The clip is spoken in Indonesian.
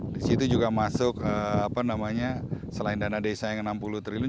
di situ juga masuk selain dana desa yang enam puluh triliun